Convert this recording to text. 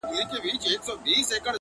یاره راځه چې لږ ژوندي کړو زړونه